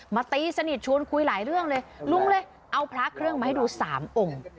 ตีสนิทชวนคุยหลายเรื่องเลยลุงเลยเอาพระเครื่องมาให้ดูสามองค์